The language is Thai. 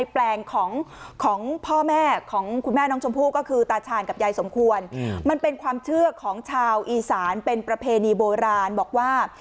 แปลงของพ่อแม่ของคุณแม่น้องชมพู่ก็คือตาชาญกับยายสมควรมันเป็นความเชื่อของชาวอีสานเป็นประเพณีโบราณบอกว่า